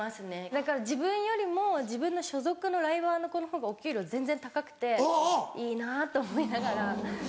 だから自分よりも自分の所属のライバーの子のほうがお給料全然高くていいなぁって思いながら。